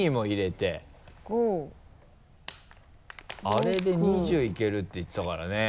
あれで２０いけるって言ってたからね。